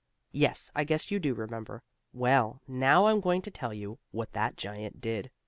Yes, I guess you do remember. Well, now I'm going to tell you what that giant did.